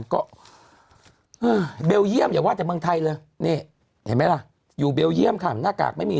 เหมือนกันก็เบลเยี่ยมอย่าว่าแต่เมืองไทยเลยไหนอยู่เบลเยี่ยมขาดหน้ากากไม่มี